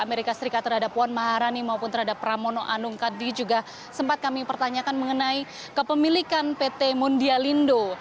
amerika serikat terhadap puan maharani maupun terhadap pramono anung kadi juga sempat kami pertanyakan mengenai kepemilikan pt mundialindo